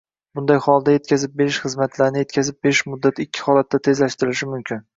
Bunday holda, etkazib berish xizmatlarini etkazib berish muddati ikki holatda tezlashtirilishi mumkin